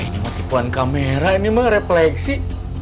ini mau tipuan kamera ini mah refleksi